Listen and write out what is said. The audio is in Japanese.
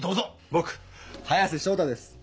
僕早瀬将太です。